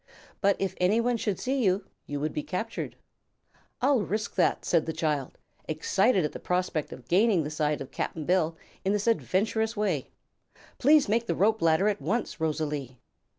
But, if anyone should see you, you would be captured." "I'll risk that," said the child, excited at the prospect of gaining the side of Cap'n Bill in this adventurous way. "Please make the rope ladder at once, Rosalie!"